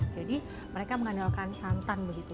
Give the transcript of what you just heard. jadi mereka mengandalkan santan begitu